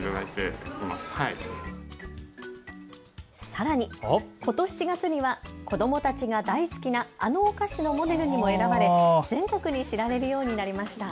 さらに、ことし４月には子どもたちが大好きなあのお菓子のモデルにも選ばれ全国に知られるようになりました。